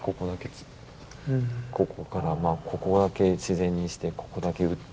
ここからまあここだけ自然にしてここだけ打って。